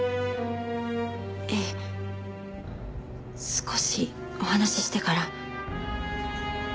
ええ少しお話ししてから。